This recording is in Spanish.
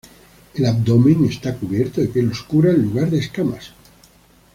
El abdomen está cubierto de piel oscura en lugar de escamas.